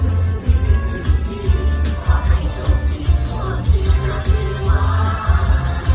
ที่จึงจึงมีความให้โชคดีความที่รักดีมาก